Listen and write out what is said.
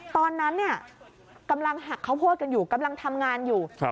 ตอนนั้นเนี่ยกำลังหักข้าวโพดกันอยู่กำลังทำงานอยู่